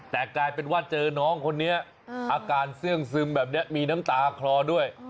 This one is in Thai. แต่กลายเป็นว่าเจอน้องคนนี้อาการเสื้องซึมแบบนี้มีน้ำตาคลอด้วย